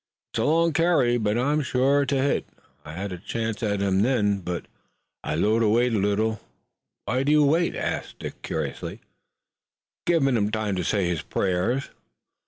It's a long carry, but I'm shore to hit. I had a chance at him then, but I 'low to wait a little!" "Why do you wait?" asked Dick curiously. "I'm givin' him time to say his prayers."